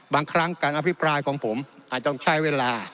บางครั้งการอภิปรายของผมอาจจะต้องใช้เวลา